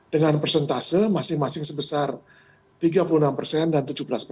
dengan persentase masing masing sebesar tiga puluh enam persen dan tujuh belas persen